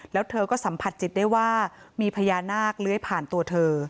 แล้วเธอก็สัมผัสจิตได้ว่ามีพญานาคเลื้อยผ่านตัวเธอ